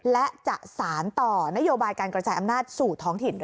และจะสารต่อนโยบายการกระจายอำนาจสู่ท้องถิ่น